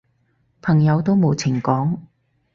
朋友都冇情講